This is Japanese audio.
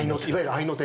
合いの手。